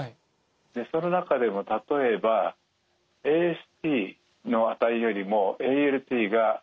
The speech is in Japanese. その中でも例えばＡＳＴの値よりもＡＬＴが高い。